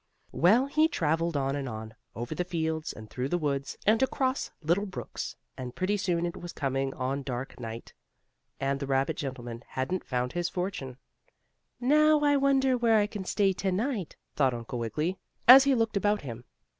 Well, he traveled on and on, over the fields and through the woods, and across little brooks, and pretty soon it was coming on dark night, and the rabbit gentleman hadn't found his fortune. "Now I wonder where I can stay to night?" thought Uncle Wiggily, as he looked about him.